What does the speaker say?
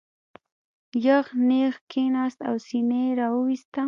یغ نېغ کېناست او سینه یې را وویسته.